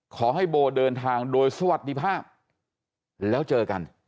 ขอให้โบเดินทางโดยสวัสดีภาพแล้วเจอกัน